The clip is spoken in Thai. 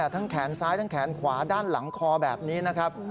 แขนซ้ายทั้งแขนขวาด้านหลังคอแบบนี้นะครับ